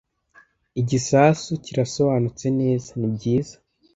Igisasu kirasobanutse neza, nibyiza.